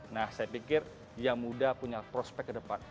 nah saya pikir yang muda punya prospek ke depan